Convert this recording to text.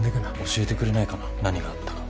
教えてくれないかな何があったか。